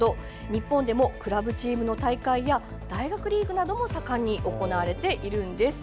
日本でも、クラブチームの大会や大学リーグなども盛んに行われているんです。